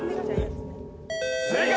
正解！